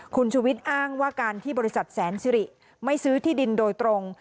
คุณชุวิตอ้างว่าการที่บริษัทแสนสิริไม่ซื้อที่ดินโดยตรง